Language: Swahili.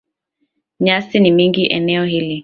Nyasi ni mingi eneo hili